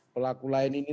pelaku lain ini